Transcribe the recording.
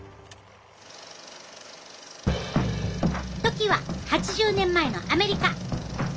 時は８０年前のアメリカ！